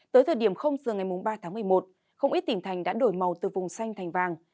tới thời điểm giờ ngày ba tháng một mươi một không ít tỉnh thành đã đổi màu từ vùng xanh thành vàng